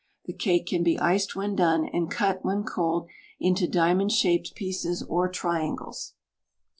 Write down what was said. The cake can be iced when done, and cut, when cold, into diamond shaped pieces or triangles.